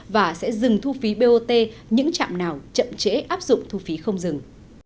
và sẽ dừng thu phí bot những trạm nào chậm chế áp dụng thu phí không dừng